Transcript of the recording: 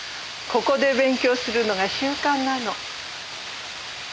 ここで勉強するのが習慣なの。